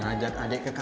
ngajak adik ke kamar